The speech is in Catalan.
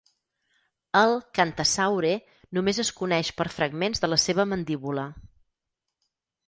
El "qantassaure" només es coneix per fragments de la seva mandíbula.